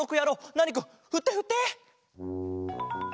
ナーニくんふってふって！